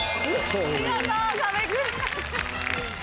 見事壁クリアです。